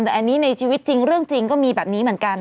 แต่อันนี้ในชีวิตจริงเรื่องจริงก็มีแบบนี้เหมือนกัน